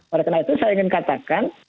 oleh karena itu saya ingin katakan